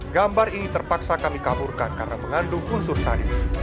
gambar ini terpaksa kami kaburkan karena mengandung unsur sadis